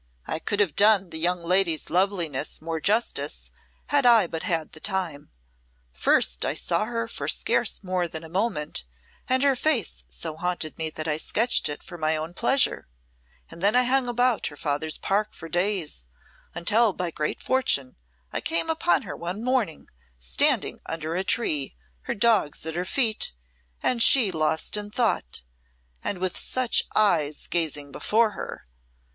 "I could have done the young lady's loveliness more justice, had I but had the time. First I saw her for scarce more than a moment, and her face so haunted me that I sketched it for my own pleasure and then I hung about her father's park for days, until by great fortune I came upon her one morning standing under a tree, her dogs at her feet, and she lost in thought and with such eyes gazing before her